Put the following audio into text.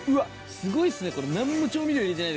すごいっすね。